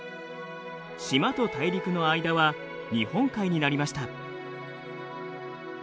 島と大陸の間は日本海になりました。